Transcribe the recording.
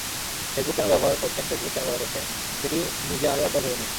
Facebook কেন ব্যবহার করছেনফেসবুক কেন ব্যবহার করছেন, সেটি নিজে আরও একবার ভেবে নিন।